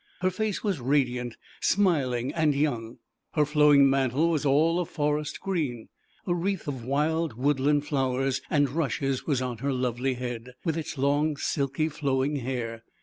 Her face was radiant, smiling and young. Her flowing mantle was all of forest green. A wreath of wild wood land flowers and rushes was on her lovely head, with its long silky flowing hair.